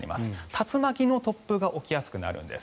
竜巻の突風が起きやすくなるんです。